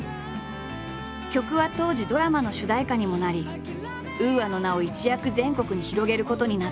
曲は当時ドラマの主題歌にもなりＵＡの名を一躍全国に広げることになった。